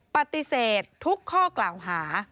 ปฏิเสธทุกข้อกล่าวหา